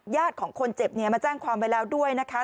ญาติของคนเจ็บมาจ้างความไปแล้วด้วยนะคะ